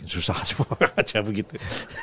susah suara aja begitu